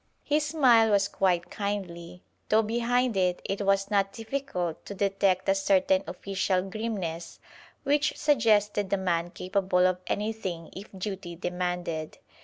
His smile was quite kindly, though behind it it was not difficult to detect a certain official grimness which suggested a man capable of anything if duty demanded.